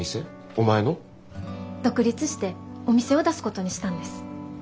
独立してお店を出すことにしたんです。